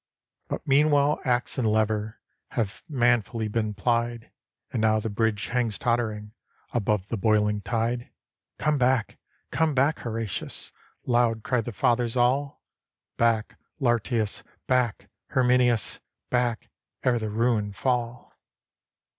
But meanwhile axe and lever Have manfully been plied; And now the bridge hangs tottering Above the boiling tide. "Come back, come back, Horatius!" Loud cried the Fathers all. "Back, Lartius! back, Herminius! Back, ere the ruin fall!"